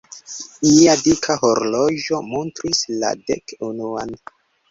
Mia dika horloĝo montris la dek-unuan.